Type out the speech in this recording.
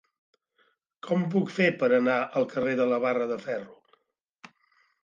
Com ho puc fer per anar al carrer de la Barra de Ferro?